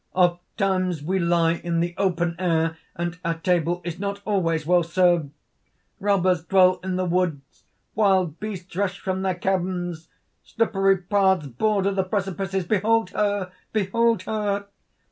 "Oft times we lie in the open air, and our table is not always well served. Robbers dwell in the woods. Wild beasts rush from their caverns. Slippery paths border the precipices. Behold her! behold her!"